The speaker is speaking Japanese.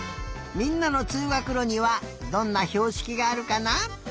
みんなのつうがくろにはどんなひょうしきがあるかな？